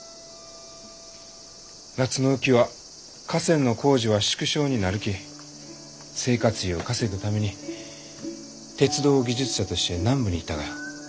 夏の雨期は河川の工事は縮小になるき生活費を稼ぐために鉄道技術者として南部に行ったがよ。